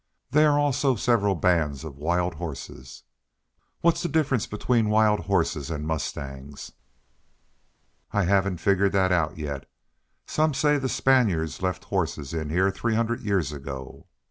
There are also several bands of wild horses." "What's the difference between wild horses and mustangs?" "I haven't figured that out yet. Some say the Spaniards left horses in here three hundred years ago.